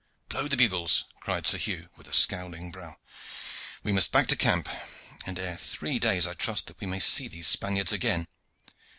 "Blow the bugles!" cried Sir Hugh, with a scowling brow. "We must back to camp, and ere three days I trust that we may see these Spaniards again.